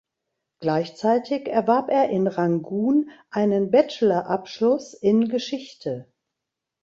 Gleichzeitig erwarb er in Rangun einen Bachelorabschluss in Geschichte.